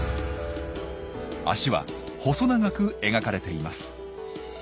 脚は細長く描かれています。